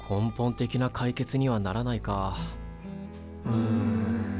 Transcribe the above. うん。